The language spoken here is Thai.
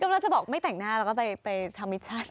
แล้วจะบอกไม่แต่งหน้าแล้วก็ไปทำมิชชั่น